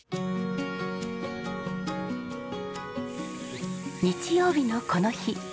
僕らも日曜日のこの日。